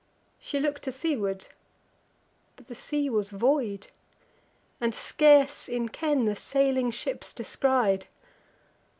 She look'd to seaward; but the sea was void, And scarce in ken the sailing ships descried.